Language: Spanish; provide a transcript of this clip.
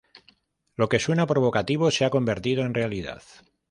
Lo que suena provocativo se ha convertido en realidad.